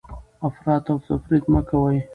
افراط او تفریط مه کوئ.